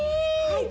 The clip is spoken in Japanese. はい。